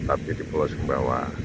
tapi di pulau sumbawa